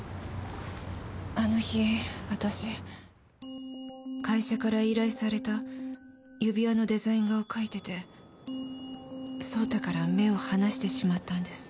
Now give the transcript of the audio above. あの日私会社から依頼された指輪のデザイン画を描いてて蒼太から目を離してしまったんです。